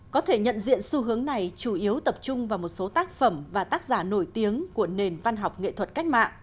có thể nhận diện xu hướng này chủ yếu tập trung vào một số tác phẩm và tác giả nổi tiếng của nước